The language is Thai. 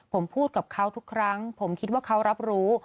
ผมพูดกับเขาทุกครั้งผมคิดว่าเขารับรู้